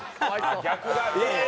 逆がある。